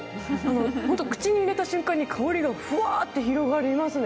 本当に口に入れた瞬間に香りがふわっと広がりますね。